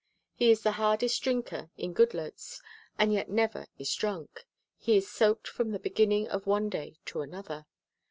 He is the hardest drinker in Goodloets and yet never is drunk. He is soaked from the beginning of one day to another.